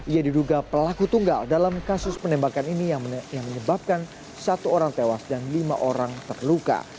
ia diduga pelaku tunggal dalam kasus penembakan ini yang menyebabkan satu orang tewas dan lima orang terluka